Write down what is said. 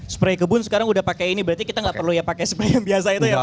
spray kebun sekarang udah pakai ini berarti kita nggak perlu ya pakai seperti yang biasa itu ya pak